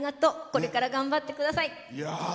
これから頑張ってください。